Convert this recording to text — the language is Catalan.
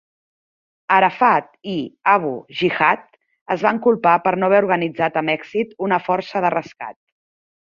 Arafat i Abu Jihad es van culpar per no haver organitzat amb èxit una força de rescat.